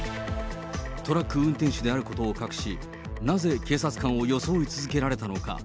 トラック運転手であることを隠し、なぜ、警察官を装い続けられたのか。